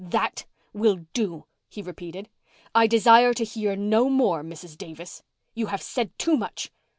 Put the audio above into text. "That will do," he repeated. "I desire to hear no more, Mrs. Davis. You have said too much.